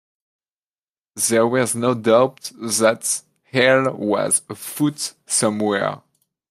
There was no doubt that hell was afoot somewhere.